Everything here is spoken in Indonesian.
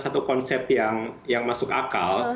satu konsep yang masuk akal